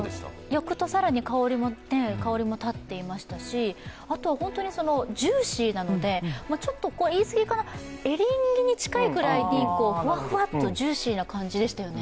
焼くと更に香りも立っていましたしあとは本当にジューシーなので、ちょっと言い過ぎかな、エリンギに近いぐらいにふわふわっとジューシーな感じでしたよね。